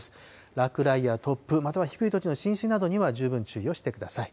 落雷や突風、または低い土地の浸水などには、十分注意をしてください。